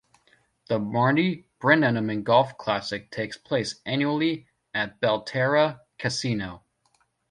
The Marty Brennaman Golf Classic takes place annually at Belterra Casino.